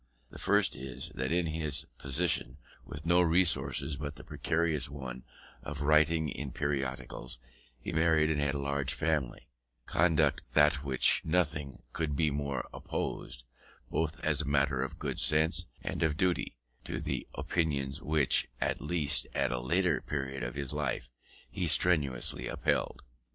The first is, that in his position, with no resource but the precarious one of writing in periodicals, he married and had a large family; conduct than which nothing could be more opposed, both as a matter of good sense and of duty, to the opinions which, at least at a later period of life, he strenuously upheld.